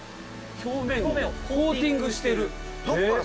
表面にコーティングしてる？